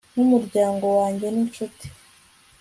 nk'umuryango wanjye n'inshuti